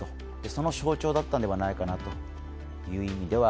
その象徴だったのではないかなという意味では、